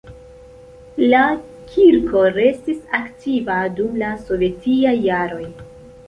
La kirko restis aktiva dum la sovetiaj jaroj.